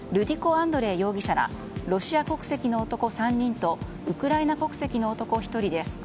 アンドレイ容疑者らロシア国籍の男３人とウクライナ国籍の男１人です。